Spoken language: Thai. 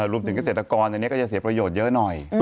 รวมถึงเกษตรกรอันนี้ก็จะเสียประโยชน์เยอะหน่อย